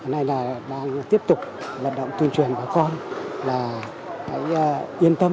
hôm nay là đang tiếp tục lận động tuyên truyền